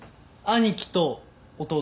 兄貴と弟。